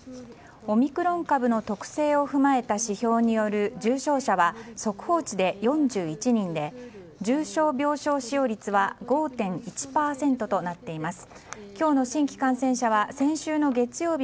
オミクロン株の特性を踏まえた指標による重症者は速報値で４１人で重症病床使用率は５．１％となっています。